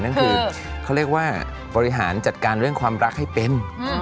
นั่นคือเขาเรียกว่าบริหารจัดการเรื่องความรักให้เป็น